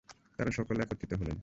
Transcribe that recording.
তাঁরা সকলে একত্রিত হলেন।